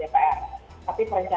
jadi perlu diketahui oleh pemerintah